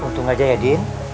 untung aja ya din